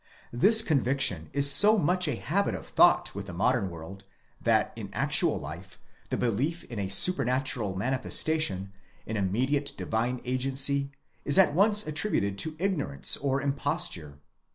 This conviction is so much a habit of thought with the modern world, that in actual life, the belief in a supernatural mani festation, an immediate divine agency, is at once attributed to ignorance or imposture.